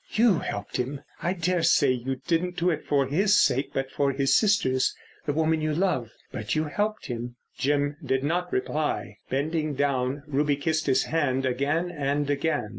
"You helped him. I daresay you didn't do it for his sake but for his sister's, the woman you love. But you helped him." Jim did not reply. Bending down Ruby kissed his hand again and again.